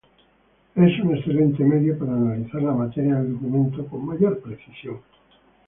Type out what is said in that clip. Es un excelente medio para analizar la materia del documento, con mayor precisión.